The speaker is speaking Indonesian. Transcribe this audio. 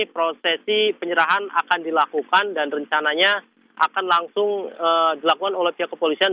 prosesi penyerahan akan dilakukan dan rencananya akan langsung dilakukan oleh pihak kepolisian